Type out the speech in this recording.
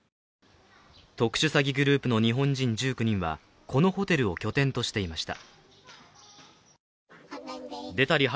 特殊詐欺グループの日本人１９人はこのホテルを拠点としていました。